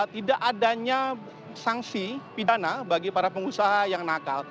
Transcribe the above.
tidak adanya sanksi pidana bagi para pengusaha yang nakal